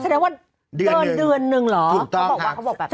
แสดงว่าเดือนเดือนหนึ่งเหรอถูกต้องครับเขาบอกว่าเขาบอกแบบนั้น